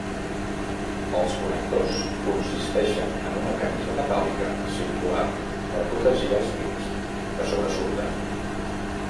Els connectors consisteixen en una camisa metàl·lica circular per protegir els pins que sobresurten.